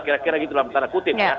kira kira gitu dalam tanda kutip ya